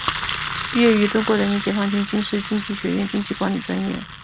毕业于中国人民解放军军事经济学院经济管理专业。